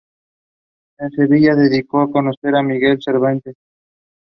Rehman later played club cricket for Sir Ali Muslim Club.